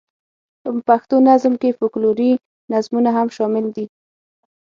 په پښتو نظم کې فوکلوري نظمونه هم شامل دي.